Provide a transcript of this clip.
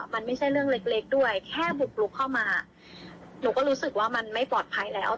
มันไม่ใช่เรื่องเล็กเล็กด้วยแค่บุกลุกเข้ามาหนูก็รู้สึกว่ามันไม่ปลอดภัยแล้ว